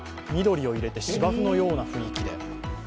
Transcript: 緑を入れて芝生のような雰囲気で。